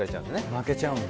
負けちゃうんだ。